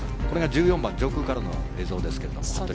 これが１４番、上空からの映像です。